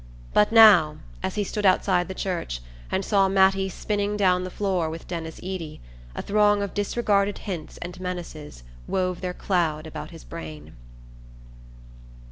But now, as he stood outside the church, and saw Mattie spinning down the floor with Denis Eady, a throng of disregarded hints and menaces wove their cloud about his brain....